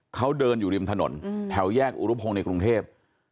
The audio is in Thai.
เขาเดินอยู่ริมถนนแถวแยกอุรุพงศ์ในกรุงเทพ